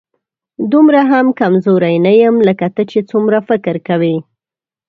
دومره هم کمزوری نه یم، لکه ته چې څومره فکر کوې